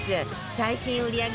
最新売り上げ